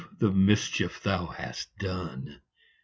the mischief thou hast done